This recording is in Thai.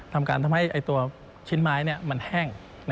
ทำการทำให้ตัวชิ้นไม้มันแห้ง